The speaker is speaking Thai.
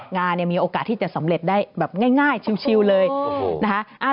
งานเนี่ยมีโอกาสที่จะสำเร็จได้แบบง่ายชิวเลยนะคะ